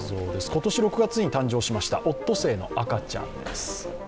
今年６月に誕生しました、オットセイの赤ちゃんです。